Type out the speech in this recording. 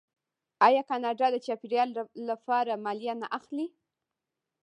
آیا کاناډا د چاپیریال لپاره مالیه نه اخلي؟